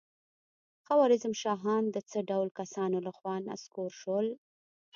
خوارزم شاهان د څه ډول کسانو له خوا نسکور شول؟